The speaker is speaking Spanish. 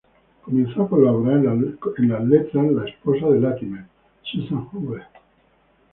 Comenzó a colaborar en las letras la esposa de Latimer, Susan Hoover.